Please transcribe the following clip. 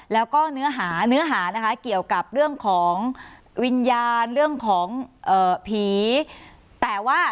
แล้วก็เนื้อหาเกี่ยวกับเรื่องของวิญญาณเพียร์ดิ์